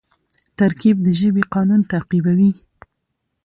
ترکیب د ژبي قانون تعقیبوي.